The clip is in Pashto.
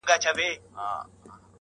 سلطنت یې له کشمیره تر دکن وو-